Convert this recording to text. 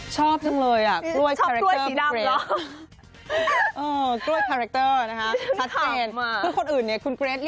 ชอบจริงเลยอ่ะกล้วยคาร์แรคเตอร์กับเกรด